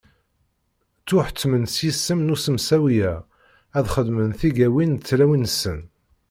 Ttuḥettmen s yisem n usemsawi-a ad xedmen tigawin n tlawin-nsen.